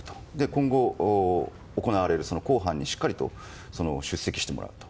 今後、行われる公判にしっかり出席してもらうと。